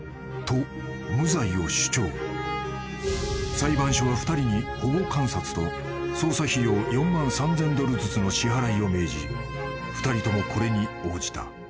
［裁判所は２人に保護観察と捜査費用４万３，０００ドルずつの支払いを命じ２人ともこれに応じた］